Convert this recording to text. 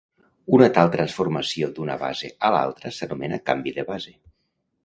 Una tal transformació d'una base a l'altra s'anomena canvi de base.